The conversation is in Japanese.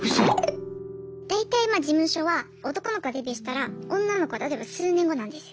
大体事務所は男の子がデビューしたら女の子例えば数年後なんですよ。